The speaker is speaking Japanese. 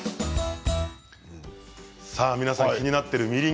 皆さん、気になっているみりん